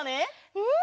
うん！